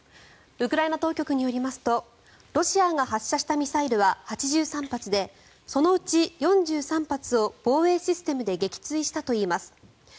ウクライナ当局によりますとロシアが発射したミサイルは８３発でそのうち４３発を防衛システムで撃墜したといいます。